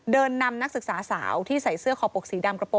นำนักศึกษาสาวที่ใส่เสื้อขอปกสีดำกระโปร